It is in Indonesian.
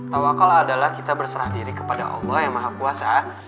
tawakal adalah kita berserah diri kepada allah yang maha kuasa